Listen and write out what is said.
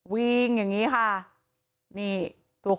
วิ่งอย่างนี้ค่ะ